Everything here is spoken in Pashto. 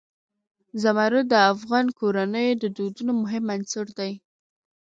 زمرد د افغان کورنیو د دودونو مهم عنصر دی.